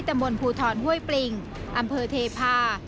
ตำรวจภูทรห้วยปริงอำเภอเทพา